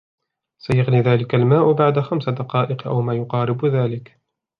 سيغلي ذلك الماء بعد خمس دقائق أو ما قارب ذلك.